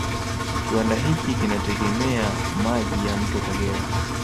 Kiwanda hiki kinategemea maji ya mto Kagera